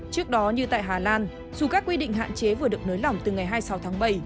trước đó như tại hà lan dù các quy định hạn chế vừa được nới lỏng từ ngày hai mươi sáu tháng bảy